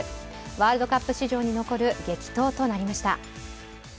ワールドカップ史上に残る激闘となりました。